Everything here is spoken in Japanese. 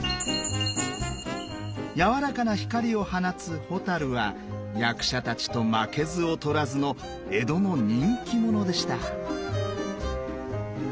柔らかな光を放つ蛍は役者たちと負けず劣らずの江戸の人気者でした。